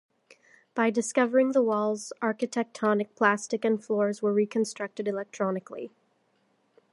By discovering the walls, architectonic plastic and floors were reconstructed electronically.